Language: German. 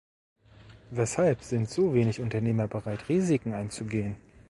Weshalb sind so wenig Unternehmer bereit, Risiken einzugehen?